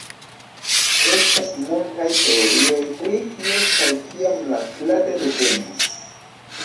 Estas multaj teorioj pri kie kaj kiam la plado devenis.